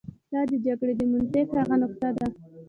دا د جګړې د منطق هغه نقطه ده.